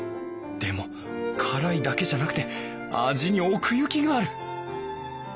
でも辛いだけじゃなくて味に奥行きがある！